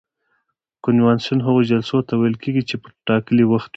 کنوانسیون هغو جلسو ته ویل کیږي چې په ټاکلي وخت وي.